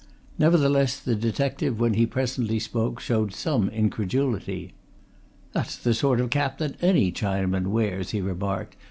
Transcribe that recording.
Nevertheless the detective when he presently spoke showed some incredulity. "That's the sort of cap that any Chinaman wears," he remarked.